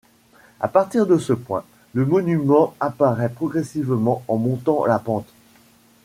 À partir de ce point, le monument apparaît progressivement en montant la pente.